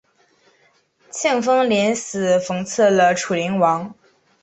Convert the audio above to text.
庆封临死讽刺了楚灵王。